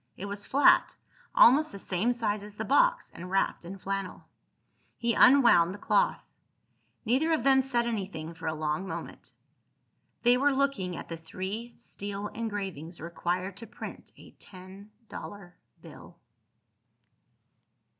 It was flat, almost the same size as the box, and wrapped in flannel. He unwound the cloth. Neither of them said anything for a long moment. They were looking at the three steel engravings required to print a ten dollar bill.